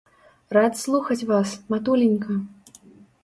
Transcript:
Рад слухаць вас, матуленька.